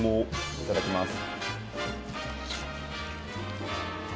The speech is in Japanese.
いただきます。